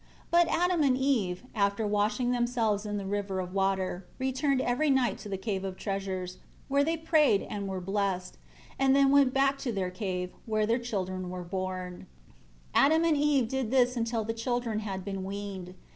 9 But Adam and Eve, after washing themselves in the river of water, returned every night to the Cave of Treasures, where they prayed and were blessed; and then went back to their cave, where their children were born. 10 Adam and Eve did this until the children had been weaned.